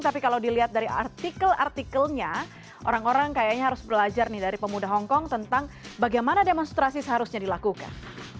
tapi kalau dilihat dari artikel artikelnya orang orang kayaknya harus belajar nih dari pemuda hongkong tentang bagaimana demonstrasi seharusnya dilakukan